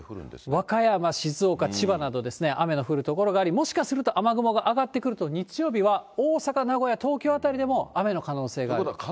和歌山、静岡、千葉などですね、雨の降る所があり、もしかすると、雨雲が上がってくると、日曜日は大阪、名古屋、東京辺りでも雨の可能性があります。